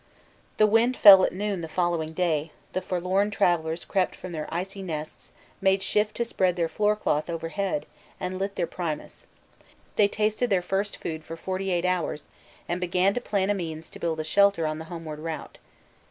The wind fell at noon the following day; the forlorn travellers crept from their icy nests, made shift to spread their floor cloth overhead, and lit their primus. They tasted their first food for forty eight hours and began to plan a means to build a shelter on the homeward route.